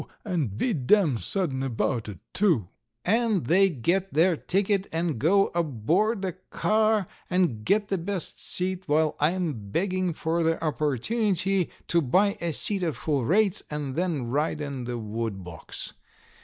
and be dam sudden about it, too," and they get their ticket and go aboard the car and get the best seat, while I am begging for the opportunity to buy a seat at full rates and then ride in the wood box.